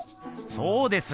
そうです。